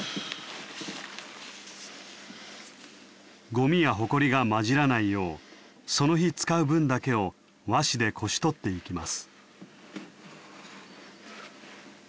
ゴミやほこりが混じらないようその日使う分だけを和紙でこしとっていきます。